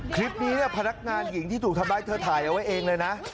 คลิปนี้เนี่ยพนักงานหญิงที่ถูกทำร้ายเธอถ่ายเอาไว้เองเลยนะ